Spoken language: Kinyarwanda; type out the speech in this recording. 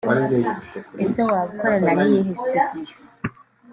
ese waba ukorana n‘iyihe studio